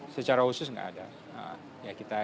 secara khusus tidak ada